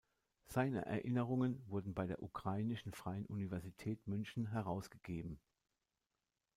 Seine Erinnerungen wurden bei der Ukrainischen Freien Universität München herausgegeben.